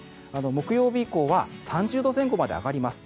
木曜日以降は３０度前後まで上がります。